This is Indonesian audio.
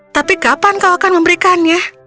tapi kapan kau akan memberikannya